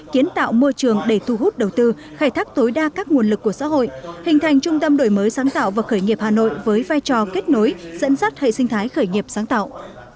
kiến tạo môi trường để thu hút đầu tư khai thác tối đa các nguồn lực của xã hội hình thành trung tâm đổi mới sáng tạo và khởi nghiệp hà nội với vai trò kết nối dẫn dắt hệ sinh thái khởi nghiệp sáng tạo